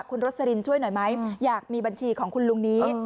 ครูศรินป์ช่วยหน่อยไหมอยากมีบรรชีของคุณลุงนี้